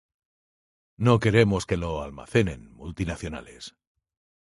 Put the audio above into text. no queremos que lo almacenen multinacionales